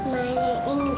main yang ini